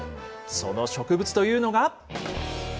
その植物というのが。